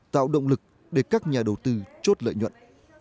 tạo động lực để các nhà đầu tư chốt lợi nhuận